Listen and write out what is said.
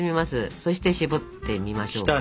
そして絞ってみましょうか？